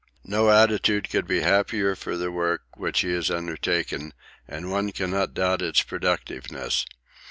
No attitude could be happier for the work which he has undertaken, and one cannot doubt its productiveness.